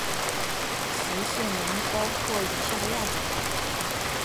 食蟹獴包括以下亚种